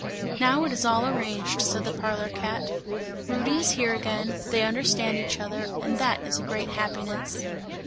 "Now it is all arranged," said the parlour cat, "Rudy is here again, they understand each other and that is a great happiness!"